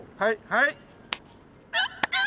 はい！